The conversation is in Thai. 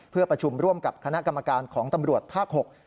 เพื่อประชุมร่วมกับคณะกรรมการของตำรวจภาค๖